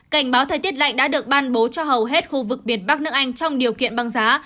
cảnh báo thời tiết lạnh đã được ban bố cho hầu hết khu vực biển bắc nước anh trong điều kiện băng giá